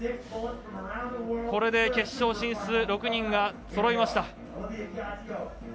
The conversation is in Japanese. これで決勝進出６人がそろいました。